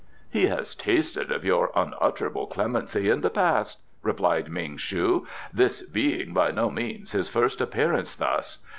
"He has tasted of your unutterable clemency in the past," replied Ming shu, "this being by no means his first appearance thus.